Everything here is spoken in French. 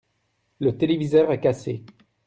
Le téléviseur est cassé.